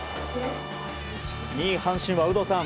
２位、阪神は、有働さん